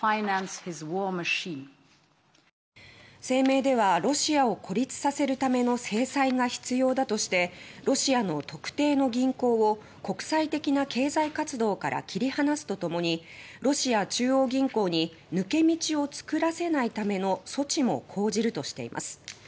声明ではロシアを孤立させるための制裁が必要だとしてロシアの特定の銀行を国際的な経済活動から切り離すとともにロシア中央銀行に抜け道を作らせないための措置も講じるとしています。